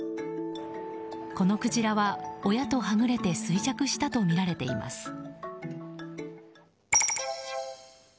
このクジラは親とはぐれて衰弱したとみられています。